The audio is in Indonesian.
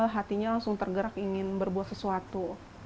hatinya langsung tergerak ingin berbuat sesuatu